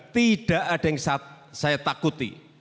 tidak ada yang saya takuti